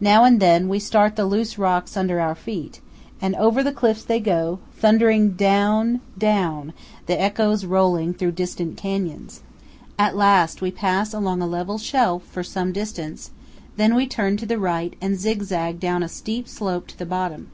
Now and then we start the loose rocks under our feet, and over the cliffs they go, thundering down, down, the echoes rolling through distant canyons. At last we pass along a level shelf for some distance, then we turn to the right and zigzag down a steep slope to the bottom.